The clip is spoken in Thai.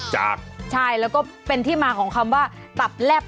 อย่าลืมติดตามกันนะครับ